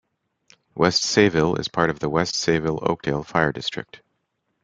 West Sayville is part of the West Sayville-Oakdale Fire District.